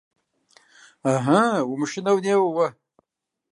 Ыхьы, умышынэу неуэ уэ.